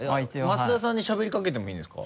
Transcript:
増田さんにしゃべりかけてもいいんですか？